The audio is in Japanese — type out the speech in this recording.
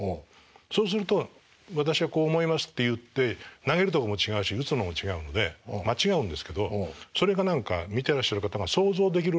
そうすると私はこう思いますって言って投げるとこも違うし打つのも違うので間違うんですけどそれが何か見てらっしゃる方が想像できるらしいんですよ。